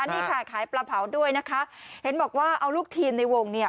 นี่ค่ะขายปลาเผาด้วยนะคะเห็นบอกว่าเอาลูกทีมในวงเนี่ย